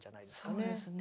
そうですね。